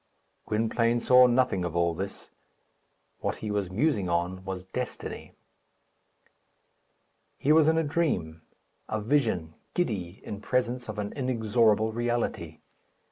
Gwynplaine saw nothing of all this. What he was musing on was destiny. He was in a dream a vision giddy in presence of an inexorable reality.